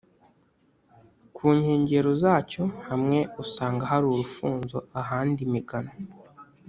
Ku nkengero zacyo hamwe usanga hari urufunzo, ahandi imigano,